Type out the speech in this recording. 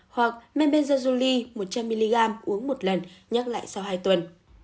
hoặc memenzazuli một trăm linh mg uống một lần nhắc lại sau hai tuần